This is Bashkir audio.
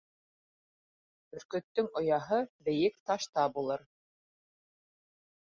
Бөркөттөң ояһы бейек ташта булыр.